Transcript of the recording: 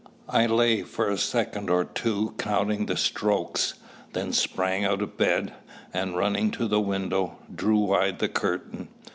I lay for a second or two counting the strokes, then sprang out of bed, and, running to the window, drew wide the curtain.